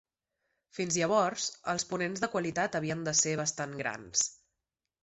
Fins llavors, els ponents de qualitat havien de ser bastant grans.